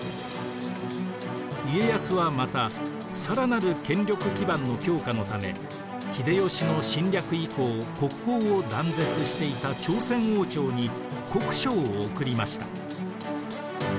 家康はまた更なる権力基盤の強化のため秀吉の侵略以降国交を断絶していた朝鮮王朝に国書を送りました。